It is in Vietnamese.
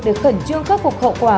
để khẩn trương khắc phục khẩu quả